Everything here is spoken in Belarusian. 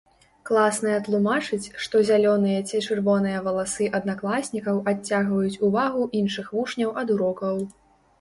Класная тлумачыць, што зялёныя ці чырвоныя валасы аднакласнікаў адцягваюць увагу іншых вучняў ад урокаў.